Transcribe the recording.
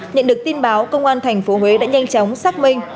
nhận được tin báo công an tp huế đã nhanh chóng xác minh